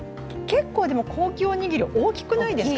結構、高級おにぎり、大きくないですか。